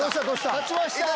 勝ちました！